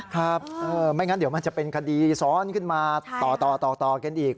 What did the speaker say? ครับไม่งั้นเดี๋ยวมันจะเป็นคดีซ้อนขึ้นมาต่อกันอีก